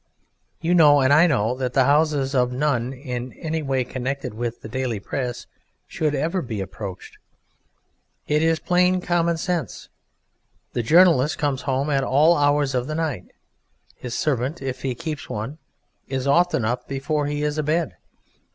You know and I know that the houses of none in any way connected with the daily Press should ever be approached. It is plain common sense. The journalist comes home at all hours of the night. His servant (if he keeps one) is often up before he is abed.